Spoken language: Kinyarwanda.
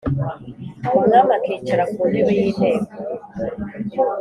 umwami akicara ku ntébe y íinteko